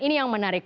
ini yang menarik